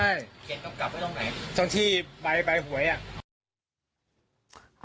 ใช่เขียนกำกับไว้ตรงไหนตรงที่ใบใบหวยอ่ะ